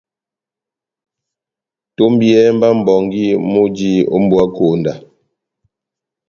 Tombiyɛhɛ mba mʼbongi múji ó mbuwa konda !